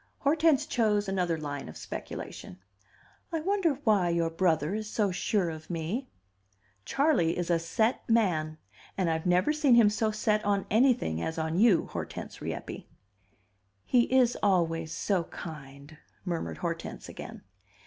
Hortense chose another line of speculation. "I wonder why your brother is so sure of me?" "Charley is a set man. And I've never seen him so set on anything as on you, Hortense Rieppe." "He is always so kind," murmured Hortense again.